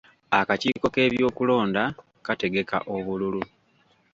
Akakiiko k'ebyokulonda kategeka obululu.